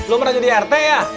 lu pernah jadi rt ya